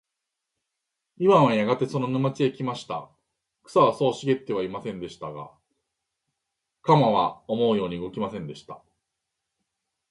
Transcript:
イワンはやがてその沼地へ来ました。草はそう茂ってはいませんでした。が、鎌は思うように動きませんでした。